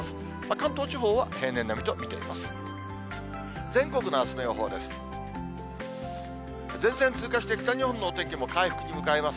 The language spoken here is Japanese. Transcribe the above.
関東地方は平年並みと見ています。